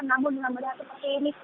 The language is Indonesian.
namun dengan melihat seperti ini